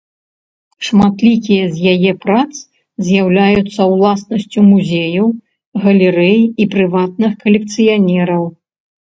Шматлікія з яе прац з'яўляюцца ўласнасцю музеяў, галерэй і прыватных калекцыянераў.